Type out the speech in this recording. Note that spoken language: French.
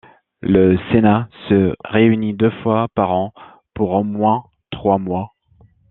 Le Sénat se réunit deux fois par an pour au moins trois mois.